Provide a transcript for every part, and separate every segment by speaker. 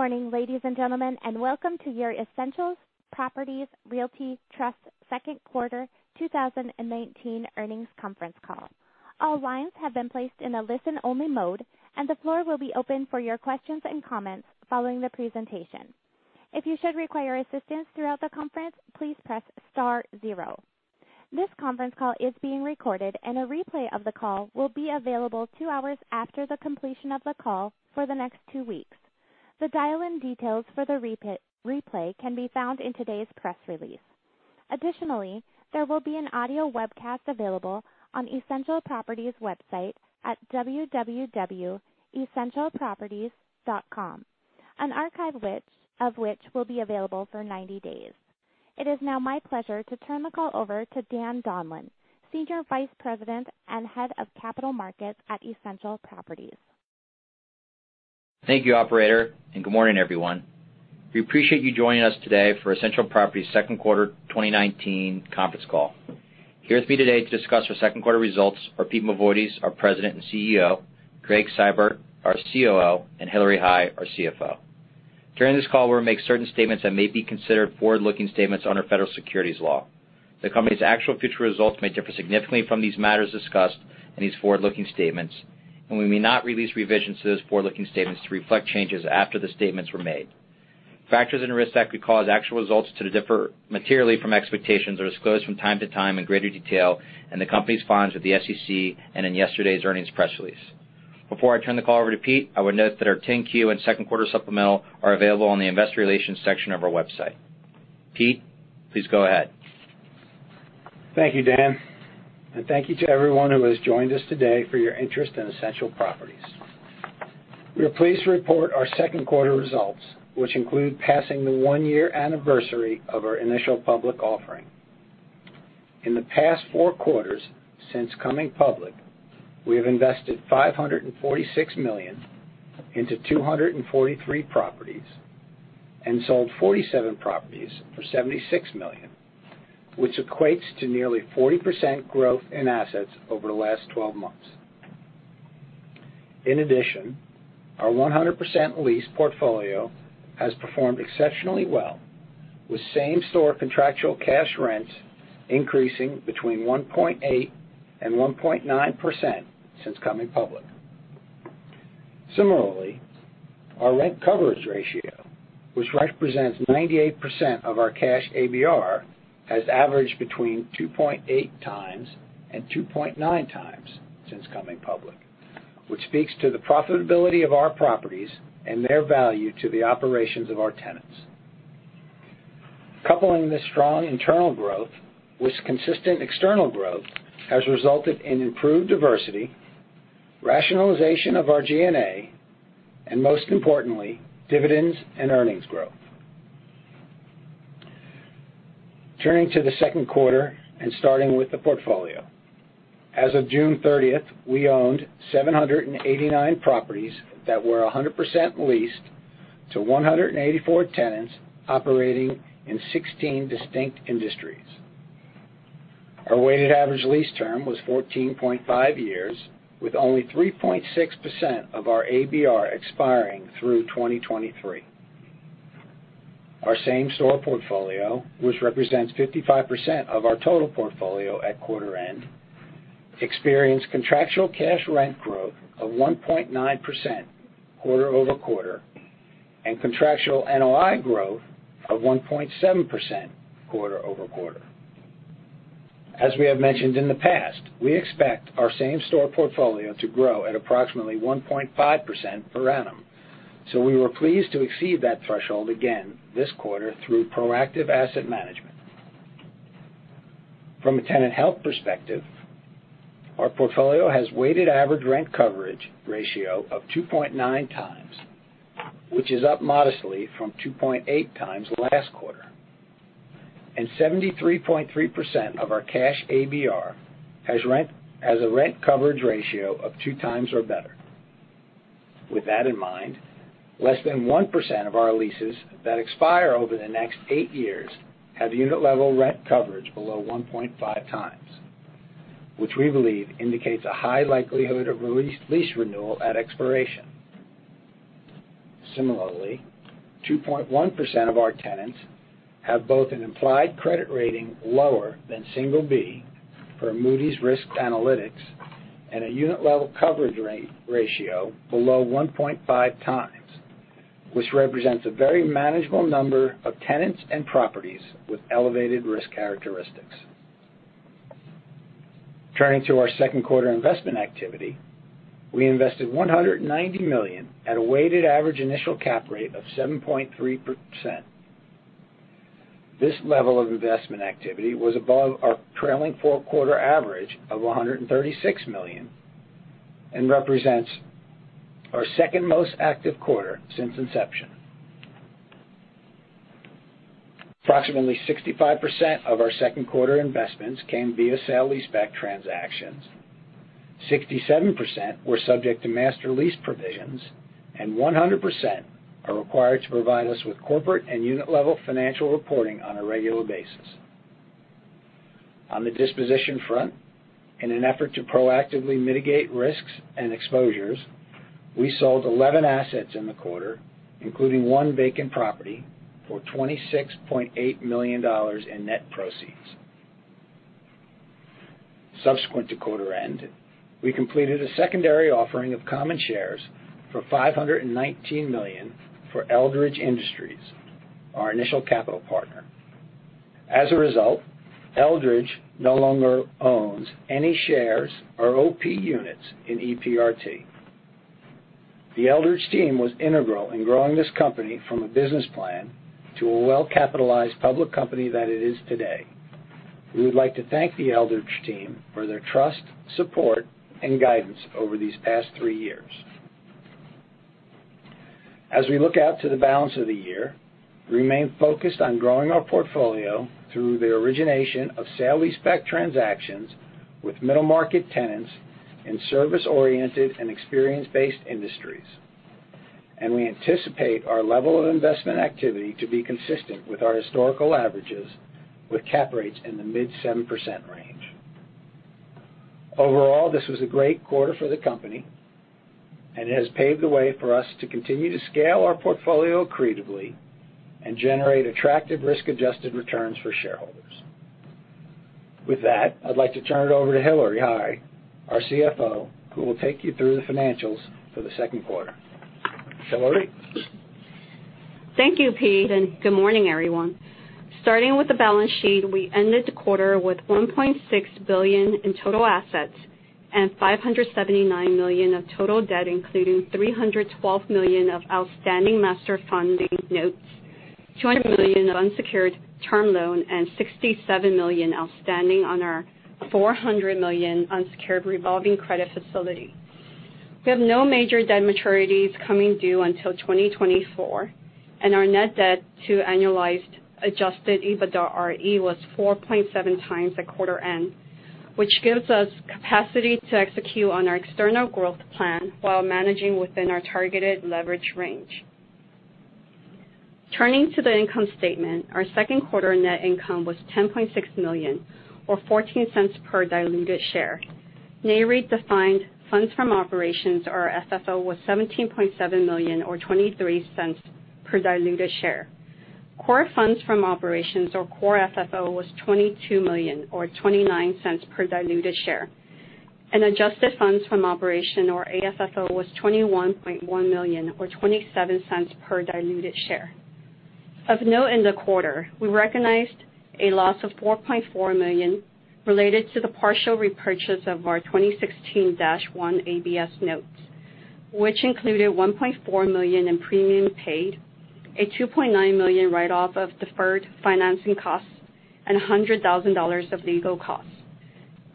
Speaker 1: Good morning, ladies and gentlemen, and welcome to your Essential Properties Realty Trust second quarter 2019 earnings conference call. All lines have been placed in a listen-only mode, and the floor will be open for your questions and comments following the presentation. If you should require assistance throughout the conference, please press star zero. This conference call is being recorded, and a replay of the call will be available two hours after the completion of the call for the next two weeks. The dial-in details for the replay can be found in today's press release. Additionally, there will be an audio webcast available on Essential Properties' website at www.essentialproperties.com, an archive of which will be available for 90 days. It is now my pleasure to turn the call over to Dan Donlan, Senior Vice President and Head of Capital Markets at Essential Properties.
Speaker 2: Thank you, operator, and good morning, everyone. We appreciate you joining us today for Essential Properties' second quarter 2019 conference call. Here with me today to discuss our second quarter results are Peter Mavoides, our President and CEO, Gregg Seibert, our COO, and Hillary Hai, our CFO. During this call, we'll make certain statements that may be considered forward-looking statements under federal securities law. The company's actual future results may differ significantly from these matters discussed in these forward-looking statements, and we may not release revisions to those forward-looking statements to reflect changes after the statements were made. Factors and risks that could cause actual results to differ materially from expectations are disclosed from time to time in greater detail in the company's filings with the SEC and in yesterday's earnings press release. Before I turn the call over to Pete, I would note that our 10-Q and second quarter supplemental are available on the investor relations section of our website. Pete, please go ahead.
Speaker 3: Thank you, Dan. Thank you to everyone who has joined us today for your interest in Essential Properties. We are pleased to report our second quarter results, which include passing the one-year anniversary of our initial public offering. In the past four quarters since coming public, we have invested $546 million into 243 properties and sold 47 properties for $76 million, which equates to nearly 40% growth in assets over the last 12 months. In addition, our 100% lease portfolio has performed exceptionally well, with same-store contractual cash rents increasing between 1.8% and 1.9% since coming public. Similarly, our rent coverage ratio, which represents 98% of our cash ABR, has averaged between 2.8 times and 2.9 times since coming public, which speaks to the profitability of our properties and their value to the operations of our tenants. Coupling this strong internal growth with consistent external growth has resulted in improved diversity, rationalization of our G&A, and most importantly, dividends and earnings growth. Turning to the second quarter and starting with the portfolio. As of June 30th, we owned 789 properties that were 100% leased to 184 tenants operating in 16 distinct industries. Our weighted average lease term was 14.5 years, with only 3.6% of our ABR expiring through 2023. Our same-store portfolio, which represents 55% of our total portfolio at quarter end, experienced contractual cash rent growth of 1.9% quarter-over-quarter and contractual NOI growth of 1.7% quarter-over-quarter. As we have mentioned in the past, we expect our same-store portfolio to grow at approximately 1.5% per annum, so we were pleased to exceed that threshold again this quarter through proactive asset management. From a tenant health perspective, our portfolio has a weighted average rent coverage ratio of 2.9 times, which is up modestly from 2.8 times last quarter. 73.3% of our cash ABR has a rent coverage ratio of two times or better. With that in mind, less than 1% of our leases that expire over the next eight years have unit-level rent coverage below 1.5 times, which we believe indicates a high likelihood of lease renewal at expiration. 2.1% of our tenants have both an implied credit rating lower than single B per Moody's RiskCalc and a unit-level coverage ratio below 1.5 times, which represents a very manageable number of tenants and properties with elevated risk characteristics. Turning to our second quarter investment activity. We invested $190 million at a weighted average initial cap rate of 7.3%. This level of investment activity was above our trailing four-quarter average of $136 million and represents our second most active quarter since inception. Approximately 65% of our second quarter investments came via sale-leaseback transactions, 67% were subject to master lease provisions, and 100% are required to provide us with corporate and unit-level financial reporting on a regular basis. On the disposition front, in an effort to proactively mitigate risks and exposures, we sold 11 assets in the quarter, including one vacant property, for $26.8 million in net proceeds. Subsequent to quarter end, we completed a secondary offering of common shares for $519 million for Eldridge Industries, our initial capital partner. As a result, Eldridge no longer owns any shares or OP units in EPRT. The Eldridge team was integral in growing this company from a business plan to a well-capitalized public company that it is today. We would like to thank the Eldridge team for their trust, support, and guidance over these past three years. As we look out to the balance of the year, we remain focused on growing our portfolio through the origination of sale-leaseback transactions with middle-market tenants in service-oriented and experience-based industries. We anticipate our level of investment activity to be consistent with our historical averages, with cap rates in the mid 7% range. Overall, this was a great quarter for the company, and it has paved the way for us to continue to scale our portfolio creatively and generate attractive risk-adjusted returns for shareholders. With that, I'd like to turn it over to Hillary Hai, our CFO, who will take you through the financials for the second quarter. Hillary?
Speaker 4: Thank you, Pete. Good morning, everyone. Starting with the balance sheet, we ended the quarter with $1.6 billion in total assets and $579 million of total debt, including $312 million of outstanding master funding notes, $200 million of unsecured term loan, and $67 million outstanding on our $400 million unsecured revolving credit facility. We have no major debt maturities coming due until 2024. Our net debt to annualized adjusted EBITDARE was 4.7 times at quarter end, which gives us capacity to execute on our external growth plan while managing within our targeted leverage range. Turning to the income statement, our second quarter net income was $10.6 million, or $0.14 per diluted share. NAREIT-defined funds from operations or FFO was $17.7 million, or $0.23 per diluted share. Core funds from operations or Core FFO was $22 million, or $0.29 per diluted share. Adjusted funds from operation or AFFO was $21.1 million, or $0.27 per diluted share. Of note in the quarter, we recognized a loss of $4.4 million related to the partial repurchase of our 2016-1 ABS notes, which included $1.4 million in premium paid, a $2.9 million write-off of deferred financing costs, and $100,000 of legal costs.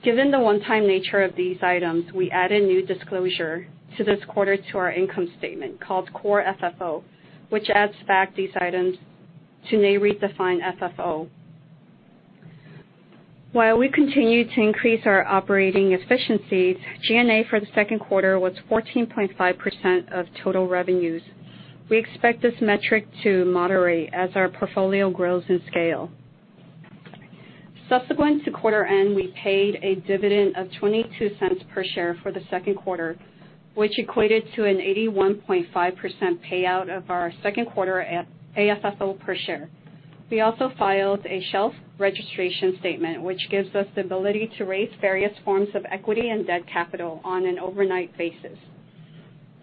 Speaker 4: Given the one-time nature of these items, we add a new disclosure to this quarter to our income statement called Core FFO, which adds back these items to Nareit-defined FFO. While we continue to increase our operating efficiency, G&A for the second quarter was 14.5% of total revenues. We expect this metric to moderate as our portfolio grows in scale. Subsequent to quarter end, we paid a dividend of $0.22 per share for the second quarter, which equated to an 81.5% payout of our second quarter AFFO per share. We also filed a shelf registration statement, which gives us the ability to raise various forms of equity and debt capital on an overnight basis.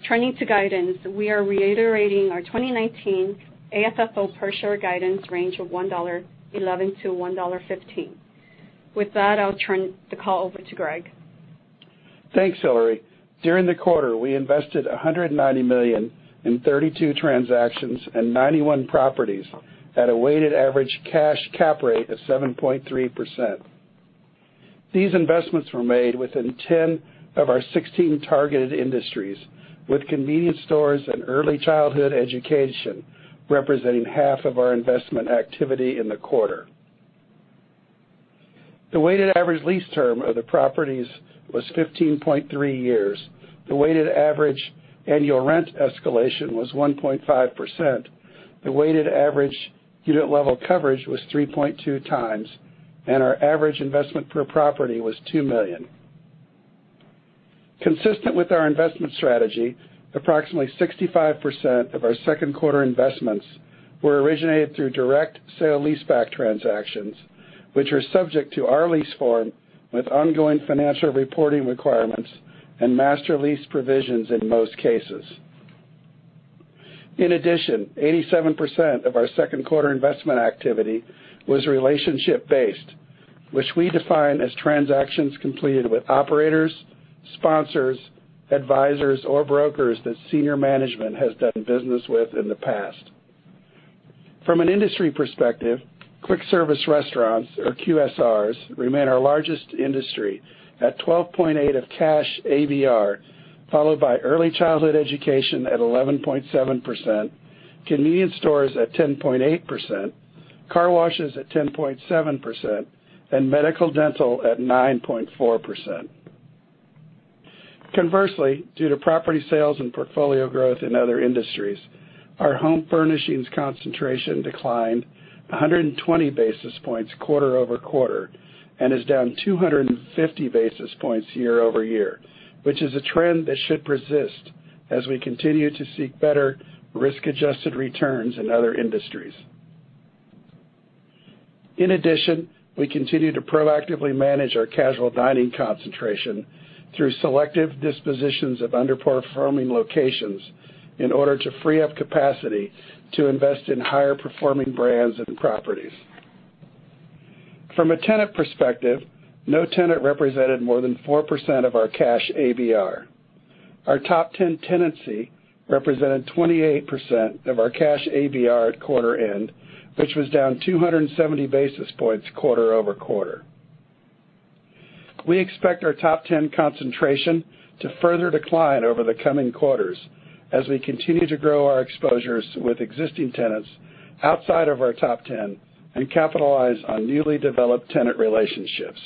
Speaker 4: Turning to guidance, we are reiterating our 2019 AFFO per share guidance range of $1.11-$1.15. With that, I'll turn the call over to Gregg.
Speaker 5: Thanks, Hillary. During the quarter, we invested $190 million in 32 transactions and 91 properties at a weighted average cash cap rate of 7.3%. These investments were made within 10 of our 16 targeted industries, with convenience stores and early childhood education representing half of our investment activity in the quarter. The weighted average lease term of the properties was 15.3 years. The weighted average annual rent escalation was 1.5%. The weighted average unit level coverage was 3.2 times, and our average investment per property was $2 million. Consistent with our investment strategy, approximately 65% of our second quarter investments were originated through direct sale-leaseback transactions, which are subject to our lease form with ongoing financial reporting requirements and master lease provisions in most cases. In addition, 87% of our second quarter investment activity was relationship-based, which we define as transactions completed with operators, sponsors, advisors, or brokers that senior management has done business with in the past. From an industry perspective, Quick Service Restaurants, or QSRs, remain our largest industry at 12.8% of cash ABR, followed by early childhood education at 11.7%, convenience stores at 10.8%, car washes at 10.7%, and medical/dental at 9.4%. Conversely, due to property sales and portfolio growth in other industries, our home furnishings concentration declined 120 basis points quarter-over-quarter, and is down 250 basis points year-over-year, which is a trend that should persist as we continue to seek better risk-adjusted returns in other industries. In addition, we continue to proactively manage our casual dining concentration through selective dispositions of underperforming locations in order to free up capacity to invest in higher performing brands and properties. From a tenant perspective, no tenant represented more than 4% of our cash ABR. Our top 10 tenancy represented 28% of our cash ABR at quarter end, which was down 270 basis points quarter-over-quarter. We expect our top 10 concentration to further decline over the coming quarters as we continue to grow our exposures with existing tenants outside of our top 10 and capitalize on newly developed tenant relationships.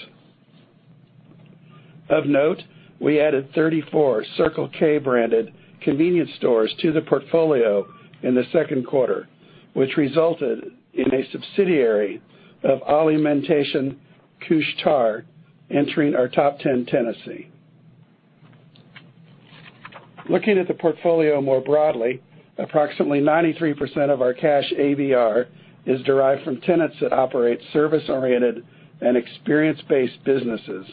Speaker 5: Of note, we added 34 Circle K branded convenience stores to the portfolio in the second quarter, which resulted in a subsidiary of Alimentation Couche-Tard entering our top 10 tenancy. Looking at the portfolio more broadly, approximately 93% of our cash ABR is derived from tenants that operate service-oriented and experience-based businesses,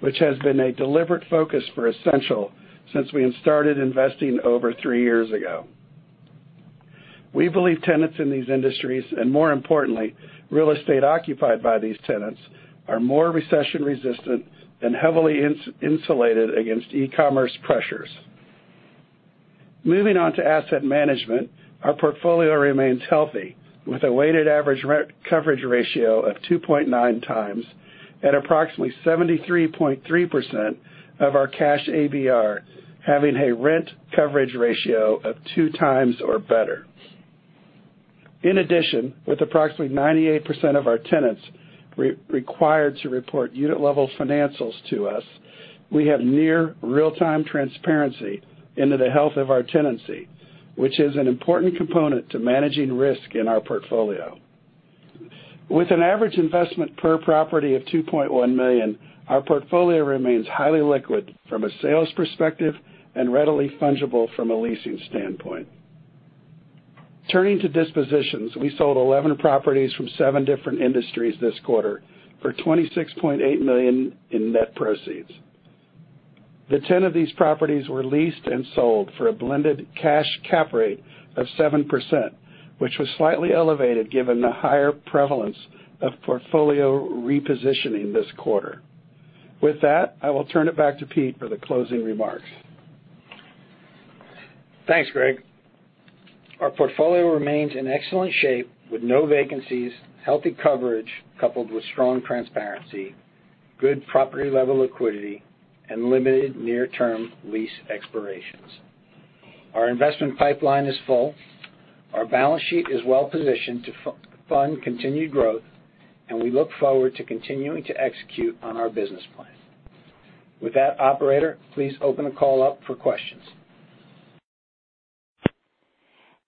Speaker 5: which has been a deliberate focus for Essential since we had started investing over three years ago. We believe tenants in these industries, and more importantly, real estate occupied by these tenants, are more recession resistant and heavily insulated against e-commerce pressures. Moving on to asset management, our portfolio remains healthy, with a weighted average rent coverage ratio of 2.9 times at approximately 73.3% of our cash ABR, having a rent coverage ratio of two times or better. In addition, with approximately 98% of our tenants required to report unit level financials to us, we have near real-time transparency into the health of our tenancy, which is an important component to managing risk in our portfolio. With an average investment per property of $2.1 million, our portfolio remains highly liquid from a sales perspective and readily fungible from a leasing standpoint. Turning to dispositions, we sold 11 properties from seven different industries this quarter for $26.8 million in net proceeds. The 10 of these properties were leased and sold for a blended cash cap rate of 7%, which was slightly elevated given the higher prevalence of portfolio repositioning this quarter. With that, I will turn it back to Pete for the closing remarks.
Speaker 3: Thanks, Gregg. Our portfolio remains in excellent shape with no vacancies, healthy coverage coupled with strong transparency, good property-level liquidity, and limited near-term lease expirations. Our investment pipeline is full. Our balance sheet is well-positioned to fund continued growth. We look forward to continuing to execute on our business plan. With that, operator, please open the call up for questions.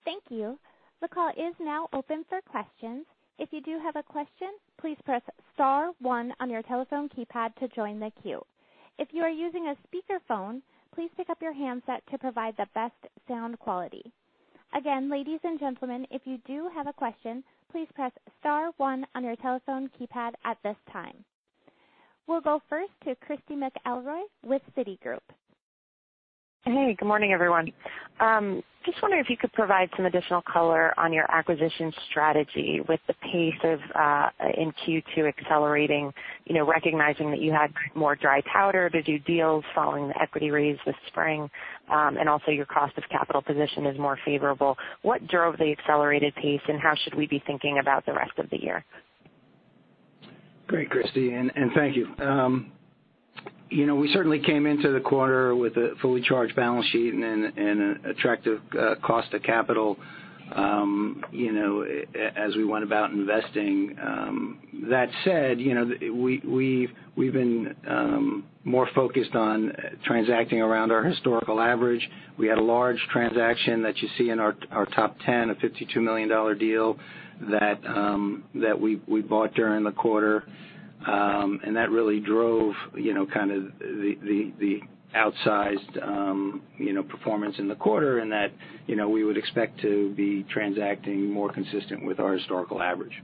Speaker 1: Thank you. The call is now open for questions. If you do have a question, please press star one on your telephone keypad to join the queue. If you are using a speakerphone, please pick up your handset to provide the best sound quality. Again, ladies and gentlemen, if you do have a question, please press star one on your telephone keypad at this time. We'll go first to Christy McElroy with Citigroup.
Speaker 6: Hey, good morning, everyone. Just wondering if you could provide some additional color on your acquisition strategy with the pace of in Q2 accelerating, recognizing that you had more dry powder to do deals following the equity raise this spring, and also your cost of capital position is more favorable. What drove the accelerated pace, and how should we be thinking about the rest of the year?
Speaker 3: Great, Christy, and thank you. We certainly came into the quarter with a fully charged balance sheet and an attractive cost of capital as we went about investing. That said, we've been more focused on transacting around our historical average. We had a large transaction that you see in our top 10, a $52 million deal that we bought during the quarter. That really drove kind of the outsized performance in the quarter, and that we would expect to be transacting more consistent with our historical average.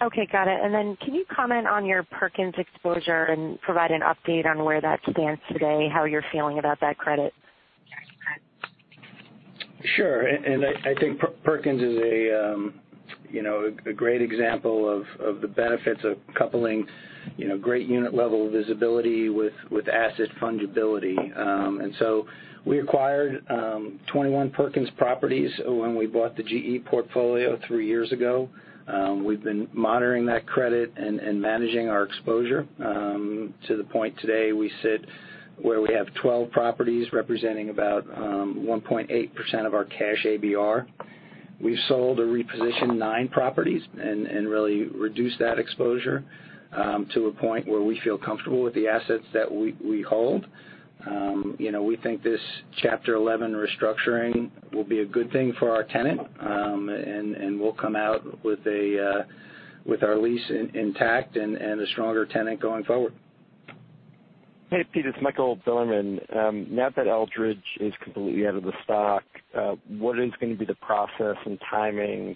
Speaker 6: Okay. Got it. Can you comment on your Perkins exposure and provide an update on where that stands today, how you're feeling about that credit?
Speaker 3: Sure. I think Perkins is a great example of the benefits of coupling great unit level visibility with asset fungibility. We acquired 21 Perkins properties when we bought the GE portfolio three years ago. We've been monitoring that credit and managing our exposure to the point today we sit where we have 12 properties representing about 1.8% of our cash ABR. We've sold or repositioned 9 properties and really reduced that exposure to a point where we feel comfortable with the assets that we hold. We think this Chapter 11 restructuring will be a good thing for our tenant, and we'll come out with our lease intact and a stronger tenant going forward.
Speaker 7: Hey, Pete, it's Michael Bilerman. Now that Eldridge is completely out of the stock, what is going to be the process and timing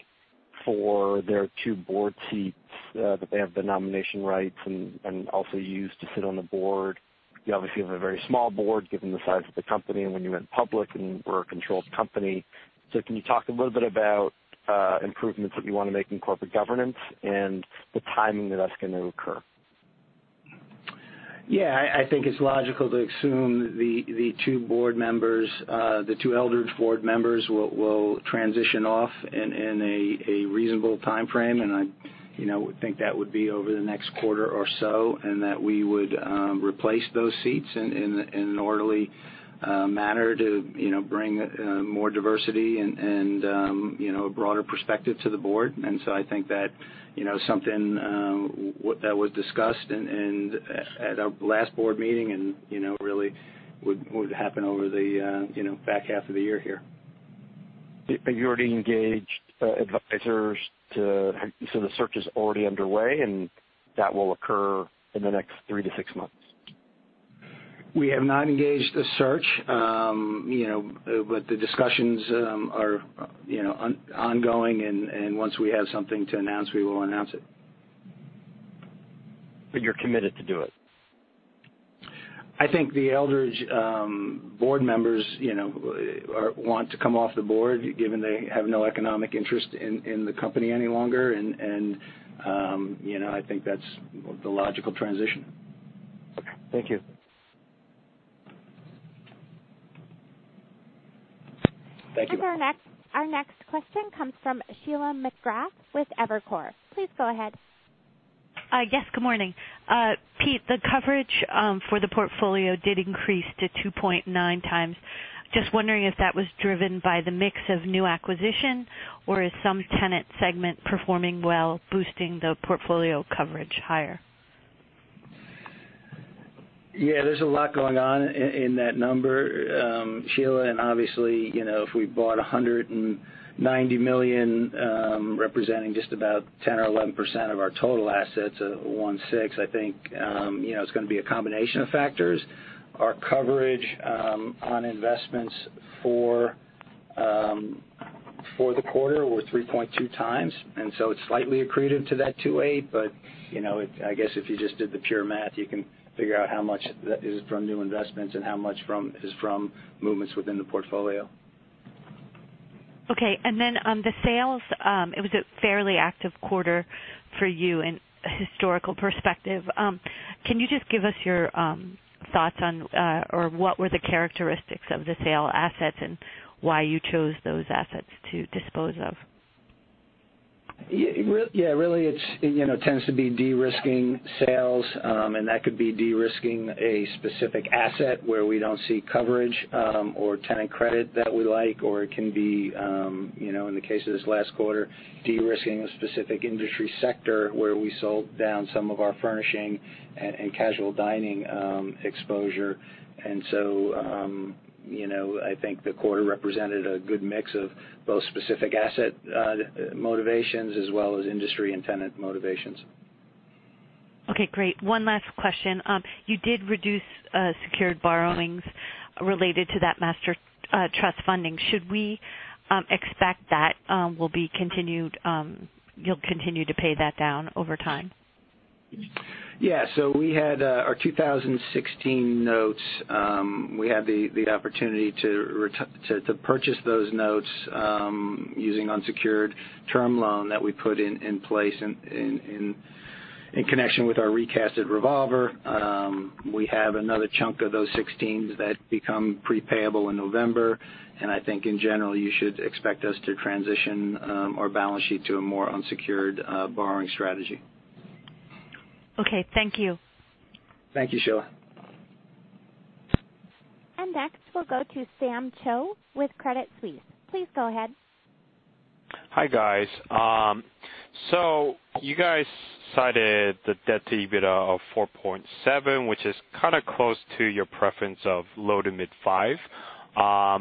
Speaker 7: for their two board seats that they have the nomination rights and also used to sit on the board? You obviously have a very small board, given the size of the company and when you went public and were a controlled company. Can you talk a little bit about improvements that you want to make in corporate governance and the timing that that's going to occur?
Speaker 3: Yeah. I think it's logical to assume the two Eldridge board members will transition off in a reasonable timeframe, and I would think that would be over the next quarter or so, and that we would replace those seats in an orderly manner to bring more diversity and a broader perspective to the board. I think that something that was discussed at our last board meeting and really would happen over the back half of the year here.
Speaker 7: The search is already underway, and that will occur in the next three to six months?
Speaker 3: We have not engaged a search. The discussions are ongoing, and once we have something to announce, we will announce it.
Speaker 7: You're committed to do it.
Speaker 3: I think the Eldridge board members want to come off the board, given they have no economic interest in the company any longer, and I think that's the logical transition.
Speaker 7: Okay. Thank you.
Speaker 3: Thank you.
Speaker 1: Our next question comes from Sheila McGrath with Evercore. Please go ahead.
Speaker 8: Yes. Good morning. Pete, the coverage for the portfolio did increase to 2.9 times. Just wondering if that was driven by the mix of new acquisition, or is some tenant segment performing well, boosting the portfolio coverage higher?
Speaker 3: Yeah, there's a lot going on in that number, Sheila. Obviously, if we bought $190 million, representing just about 10% or 11% of our total assets of $1.6, I think it's going to be a combination of factors. Our coverage on investments for the quarter were 3.2 times, it's slightly accretive to that 2.8. I guess if you just did the pure math, you can figure out how much is from new investments and how much is from movements within the portfolio.
Speaker 8: Okay. On the sales, it was a fairly active quarter for you in a historical perspective. Can you just give us your thoughts on or what were the characteristics of the sale assets and why you chose those assets to dispose of?
Speaker 3: Yeah. Really, it tends to be de-risking sales, and that could be de-risking a specific asset where we don't see coverage or tenant credit that we like, or it can be, in the case of this last quarter, de-risking a specific industry sector where we sold down some of our furnishing and casual dining exposure. I think the quarter represented a good mix of both specific asset motivations as well as industry and tenant motivations.
Speaker 8: Okay, great. One last question. You did reduce secured borrowings related to that master funding notes. Should we expect that you'll continue to pay that down over time?
Speaker 3: Yeah. We had our 2016 notes. We had the opportunity to purchase those notes using unsecured term loan that we put in place in connection with our recasted revolver. We have another chunk of those 16s that become pre-payable in November, and I think in general, you should expect us to transition our balance sheet to a more unsecured borrowing strategy.
Speaker 8: Okay. Thank you.
Speaker 3: Thank you, Sheila.
Speaker 1: Next, we'll go to Sam Cho with Credit Suisse. Please go ahead.
Speaker 9: Hi, guys. You guys cited the debt to EBITDA of 4.7, which is kind of close to your preference of low to mid 5.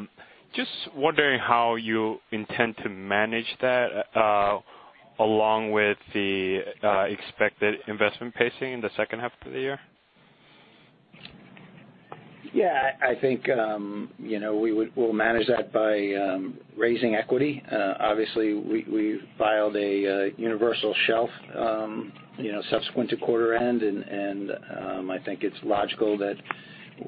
Speaker 9: Just wondering how you intend to manage that along with the expected investment pacing in the second half of the year?
Speaker 3: Yeah, I think we'll manage that by raising equity. Obviously, we filed a universal shelf subsequent to quarter end, and I think it's logical that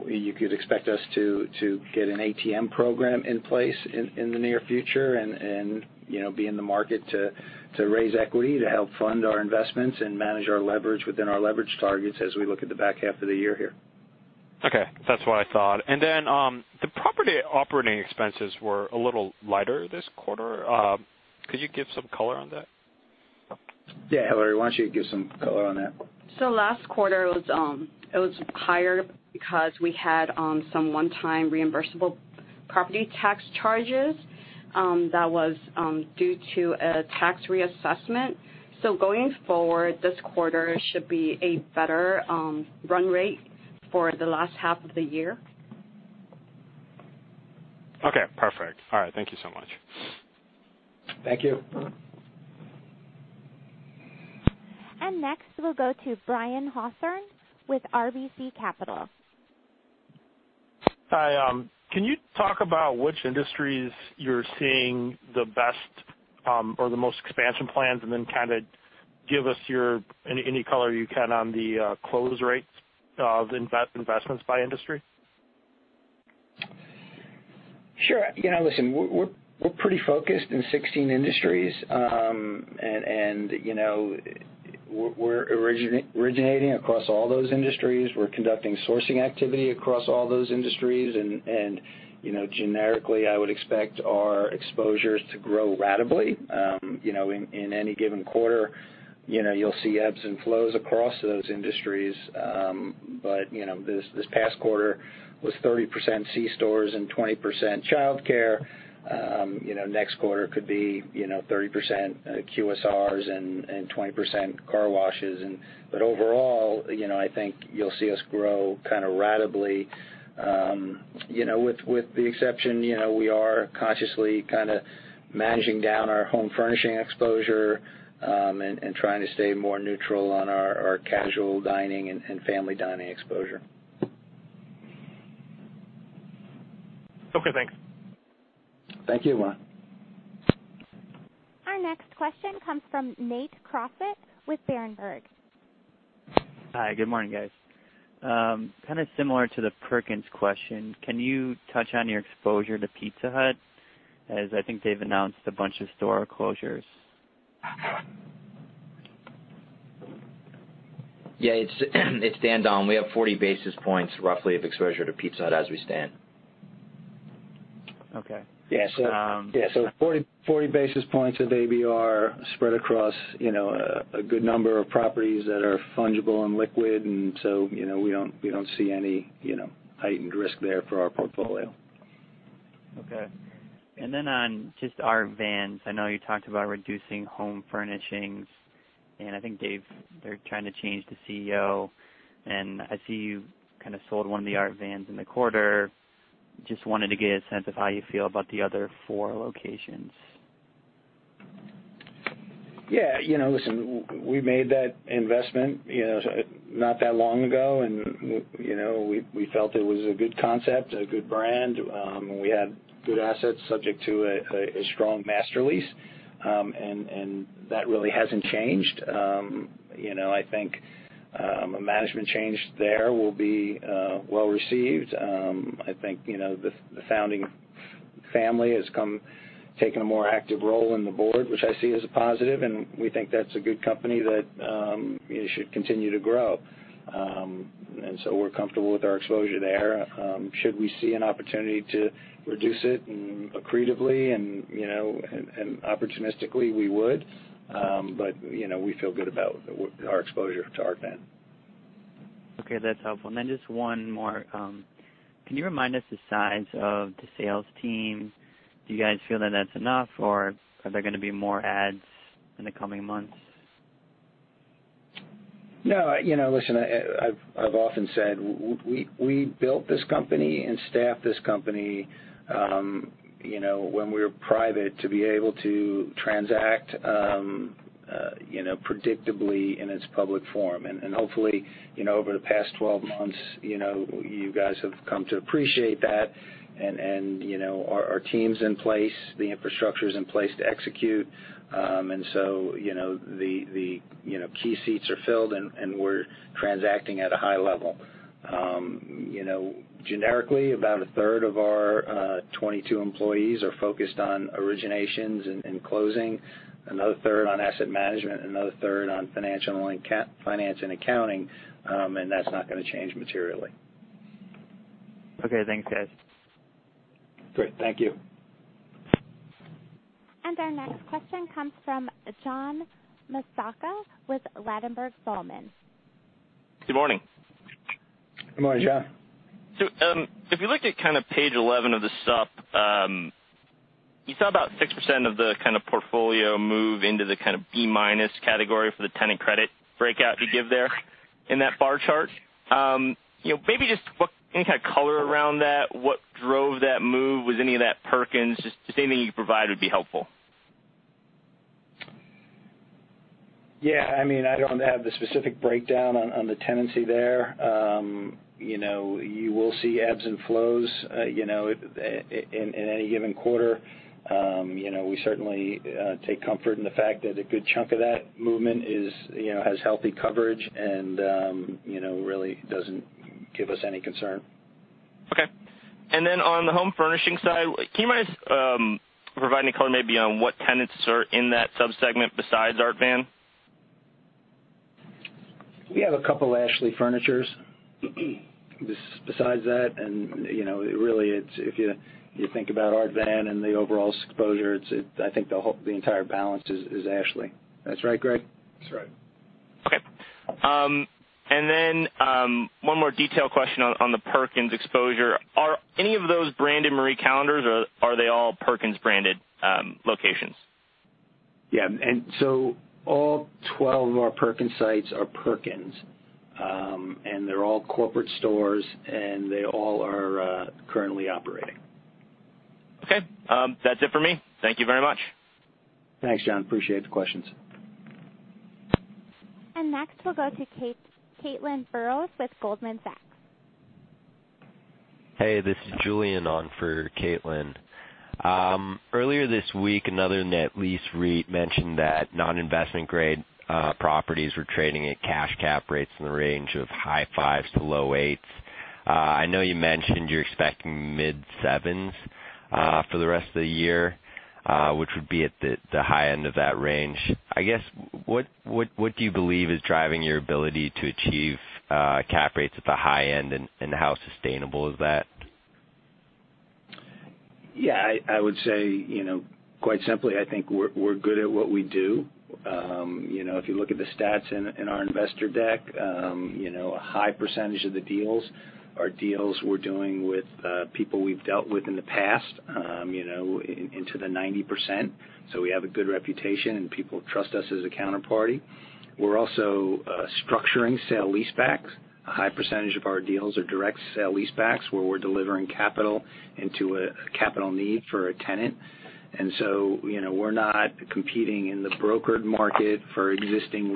Speaker 3: you could expect us to get an ATM program in place in the near future and be in the market to raise equity to help fund our investments and manage our leverage within our leverage targets as we look at the back half of the year here.
Speaker 9: Okay. That's what I thought. The property operating expenses were a little lighter this quarter. Could you give some color on that?
Speaker 3: Yeah, Hillary, why don't you give some color on that?
Speaker 4: Last quarter it was higher because we had some one-time reimbursable property tax charges that was due to a tax reassessment. Going forward, this quarter should be a better run rate for the last half of the year.
Speaker 9: Okay, perfect. All right. Thank you so much.
Speaker 3: Thank you.
Speaker 1: Next, we'll go to Brian Hawthorne with RBC Capital.
Speaker 10: Hi. Can you talk about which industries you're seeing the best or the most expansion plans? Kind of give us any color you can on the close rates of investments by industry.
Speaker 3: Sure. Listen, we're pretty focused in 16 industries. We're originating across all those industries. We're conducting sourcing activity across all those industries, and generically, I would expect our exposures to grow ratably. In any given quarter, you'll see ebbs and flows across those industries. This past quarter was 30% C-stores and 20% childcare. Next quarter could be 30% QSRs and 20% car washes. Overall, I think you'll see us grow kind of ratably, with the exception we are consciously kind of managing down our home furnishing exposure, and trying to stay more neutral on our casual dining and family dining exposure.
Speaker 10: Okay, thanks.
Speaker 3: Thank you.
Speaker 1: Our next question comes from Nate Crossett with Berenberg.
Speaker 11: Hi, good morning, guys. Kind of similar to the Perkins question. Can you touch on your exposure to Pizza Hut, as I think they've announced a bunch of store closures?
Speaker 2: It's down. We have 40 basis points roughly of exposure to Pizza Hut as we stand.
Speaker 11: Okay.
Speaker 3: Yeah. 40 basis points of ABR spread across a good number of properties that are fungible and liquid, and so we don't see any heightened risk there for our portfolio.
Speaker 11: Okay. Then on just Arhaus, I know you talked about reducing home furnishings. I think they're trying to change the CEO. I see you kind of sold one of the Arhaus in the quarter. I just wanted to get a sense of how you feel about the other four locations.
Speaker 3: Yeah. Listen, we made that investment not that long ago, we felt it was a good concept, a good brand. We had good assets subject to a strong master lease. That really hasn't changed. I think a management change there will be well received. I think the founding family has taken a more active role in the board, which I see as a positive, we think that's a good company that should continue to grow. So we're comfortable with our exposure there. Should we see an opportunity to reduce it accretively and opportunistically, we would. We feel good about our exposure to Arhaus.
Speaker 11: Okay, that's helpful. Just one more. Can you remind us the size of the sales team? Do you guys feel that that's enough, or are there going to be more adds in the coming months?
Speaker 3: No. Listen, I've often said we built this company and staffed this company when we were private to be able to transact predictably in its public form. Hopefully, over the past 12 months you guys have come to appreciate that, and our team's in place, the infrastructure's in place to execute. The key seats are filled, and we're transacting at a high level. Generically, about a third of our 22 employees are focused on originations and closing, another third on asset management, another third on finance and accounting. That's not going to change materially.
Speaker 11: Okay. Thanks, guys.
Speaker 3: Great. Thank you.
Speaker 1: Our next question comes from John Massocca with Ladenburg Thalmann.
Speaker 12: Good morning.
Speaker 3: Good morning, John.
Speaker 12: If you look at kind of page 11 of the sup, you saw about 6% of the kind of portfolio move into the kind of B-minus category for the tenant credit breakout you give there in that bar chart. Maybe just any kind of color around that, what drove that move? Was any of that Perkins? Just anything you can provide would be helpful.
Speaker 3: I don't have the specific breakdown on the tenancy there. You will see ebbs and flows in any given quarter. We certainly take comfort in the fact that a good chunk of that movement has healthy coverage and really doesn't give us any concern.
Speaker 12: Okay. On the home furnishing side, can you provide any color maybe on what tenants are in that sub-segment besides Arhaus?
Speaker 3: We have a couple of Ashley Furniture besides that. Really, if you think about our van and the overall exposure, I think the entire balance is Ashley. That's right, Gregg?
Speaker 5: That's right.
Speaker 12: Okay. Then one more detail question on the Perkins exposure. Are any of those branded Marie Callender's, or are they all Perkins-branded locations?
Speaker 3: Yeah. All 12 of our Perkins sites are Perkins, and they're all corporate stores, and they all are currently operating.
Speaker 12: Okay. That's it for me. Thank you very much.
Speaker 3: Thanks, John. Appreciate the questions.
Speaker 1: Next, we'll go to Caitlin Burrows with Goldman Sachs.
Speaker 13: Hey, this is Julian on for Caitlin. Earlier this week, another net lease REIT mentioned that non-investment grade properties were trading at cash cap rates in the range of high fives to low eights. I know you mentioned you're expecting mid sevens for the rest of the year, which would be at the high end of that range. I guess, what do you believe is driving your ability to achieve cap rates at the high end, and how sustainable is that?
Speaker 3: Yeah, I would say, quite simply, I think we're good at what we do. If you look at the stats in our investor deck, a high percentage of the deals are deals we're doing with people we've dealt with in the past, into the 90%. We have a good reputation and people trust us as a counterparty. We're also structuring sale-leasebacks. A high percentage of our deals are direct sale-leasebacks, where we're delivering capital into a capital need for a tenant. We're not competing in the brokered market for existing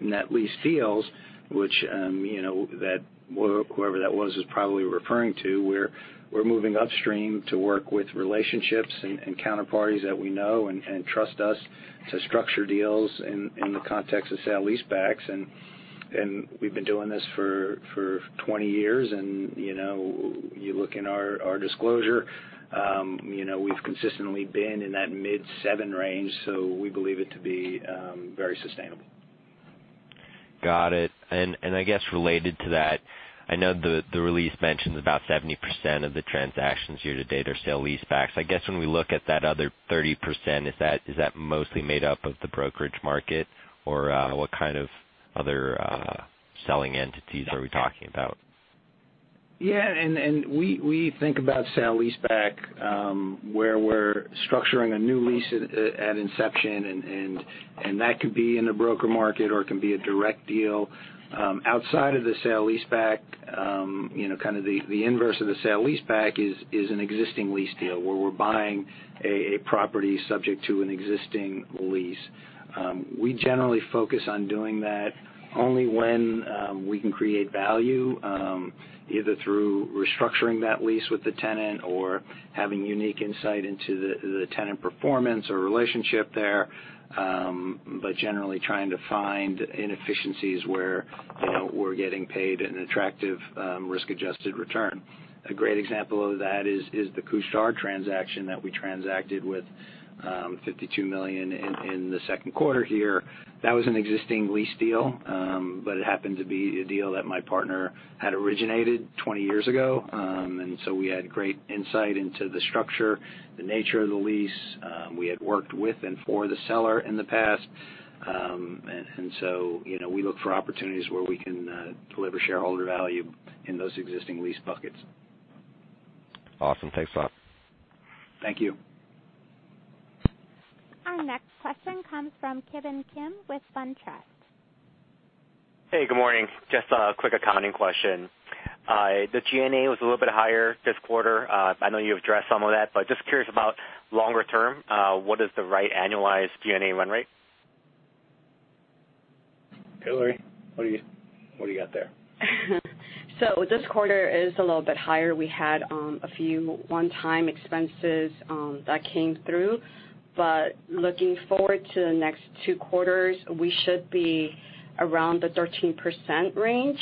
Speaker 3: net lease deals, which whoever that was is probably referring to. We're moving upstream to work with relationships and counterparties that we know and trust us to structure deals in the context of sale-leasebacks. We've been doing this for 20 years, and you look in our disclosure, we've consistently been in that mid seven range, so we believe it to be very sustainable.
Speaker 13: Got it. I guess related to that, I know the release mentions about 70% of the transactions year to date are sale leasebacks. I guess when we look at that other 30%, is that mostly made up of the brokerage market, or what kind of other selling entities are we talking about?
Speaker 3: We think about sale-leaseback, where we're structuring a new lease at inception, that could be in the broker market or it can be a direct deal. Outside of the sale-leaseback, kind of the inverse of the sale-leaseback is an existing lease deal where we're buying a property subject to an existing lease. We generally focus on doing that only when we can create value, either through restructuring that lease with the tenant or having unique insight into the tenant performance or relationship there, but generally trying to find inefficiencies where we're getting paid an attractive risk-adjusted return. A great example of that is the Couche-Tard transaction that we transacted with $52 million in the second quarter here. That was an existing lease deal, but it happened to be a deal that my partner had originated 20 years ago. We had great insight into the structure, the nature of the lease. We had worked with and for the seller in the past. We look for opportunities where we can deliver shareholder value in those existing lease buckets.
Speaker 13: Awesome. Thanks a lot.
Speaker 3: Thank you.
Speaker 1: Our next question comes from Kevin Kim with SunTrust.
Speaker 14: Hey, good morning. Just a quick accounting question. The G&A was a little bit higher this quarter. I know you addressed some of that, but just curious about longer term, what is the right annualized G&A run rate?
Speaker 3: Hillary, what do you got there?
Speaker 4: This quarter is a little bit higher. We had a few one-time expenses that came through. Looking forward to the next two quarters, we should be around the 13% range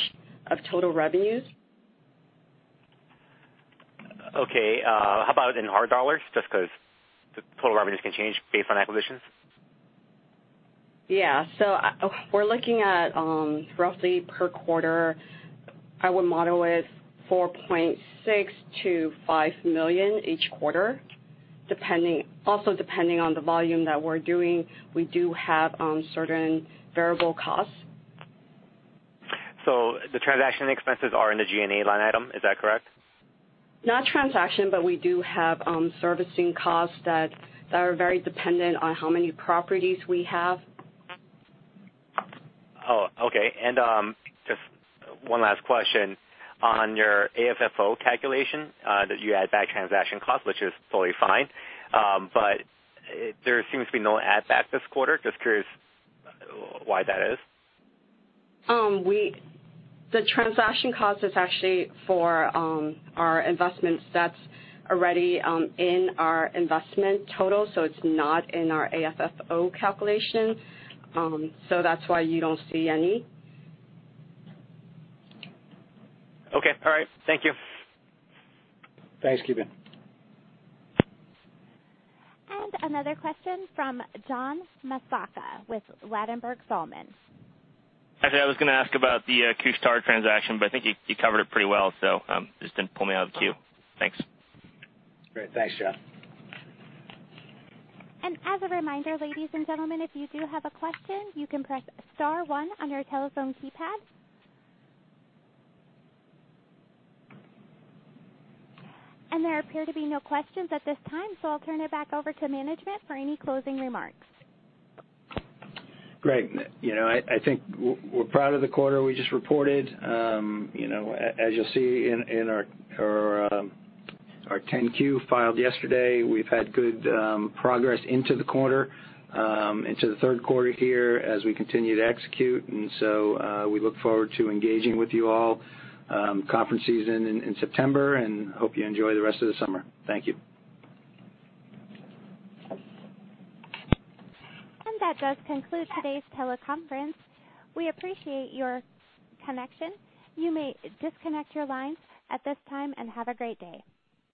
Speaker 4: of total revenues.
Speaker 14: Okay. How about in hard dollars, just because the total revenues can change based on acquisitions?
Speaker 4: We're looking at roughly per quarter, I would model it $4.6 million-$5 million each quarter. Also depending on the volume that we're doing, we do have certain variable costs.
Speaker 14: The transaction expenses are in the G&A line item, is that correct?
Speaker 4: Not transaction, but we do have servicing costs that are very dependent on how many properties we have.
Speaker 14: Oh, okay. Just one last question. On your AFFO calculation, that you add back transaction costs, which is totally fine, there seems to be no add back this quarter. Just curious why that is.
Speaker 4: The transaction cost is actually for our investments. That's already in our investment total, so it's not in our AFFO calculation. That's why you don't see any.
Speaker 14: Okay. All right. Thank you.
Speaker 3: Thanks, Kevin.
Speaker 1: Another question from John Massocca with Ladenburg Thalmann.
Speaker 12: Actually, I was going to ask about the Couche-Tard transaction, but I think you covered it pretty well, so just didn't pull me out of the queue. Thanks.
Speaker 3: Great. Thanks, John.
Speaker 1: As a reminder, ladies and gentlemen, if you do have a question, you can press star one on your telephone keypad. There appear to be no questions at this time, so I'll turn it back over to management for any closing remarks.
Speaker 3: Great. I think we're proud of the quarter we just reported. As you'll see in our 10-Q filed yesterday, we've had good progress into the quarter, into the third quarter here as we continue to execute. We look forward to engaging with you all conference season in September, and hope you enjoy the rest of the summer. Thank you.
Speaker 1: That does conclude today's teleconference. We appreciate your connection. You may disconnect your lines at this time, and have a great day.